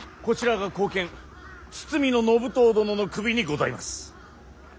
こちらが後見堤信遠殿の首にございます。